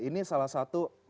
ini salah satu